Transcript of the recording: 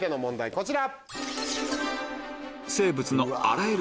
こちら。